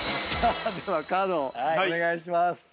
ではカードお願いします。